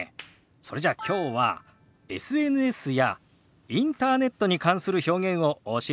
それじゃあきょうはＳＮＳやインターネットに関する表現をお教えしましょう。